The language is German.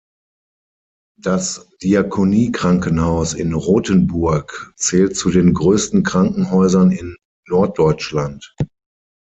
Das Diakoniekrankenhaus in Rotenburg zählt zu den größten Krankenhäusern in Norddeutschland.